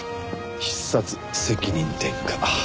必殺責任転嫁。